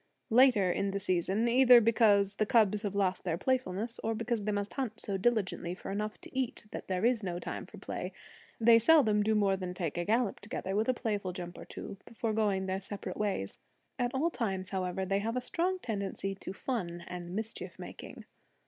Later in the season either because the cubs have lost their playfulness, or because they must hunt so diligently for enough to eat that there is no time for play they seldom do more than take a gallop together, with a playful jump or two, before going their separate ways. At all times, however, they have a strong tendency to fun and mischief making.